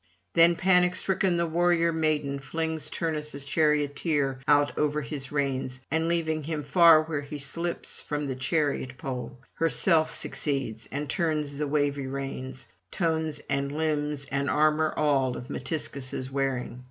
Then panic stricken the warrior maiden flings Turnus' charioteer out over his reins, and leaving him far where he slips from the [471 504]chariot pole, herself succeeds and turns the wavy reins, tones and limbs and armour all of Metiscus' wearing.